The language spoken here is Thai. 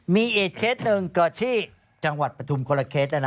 มีอีกเคสหนึ่งเกิดที่จังหวัดปฐุมคนละเคส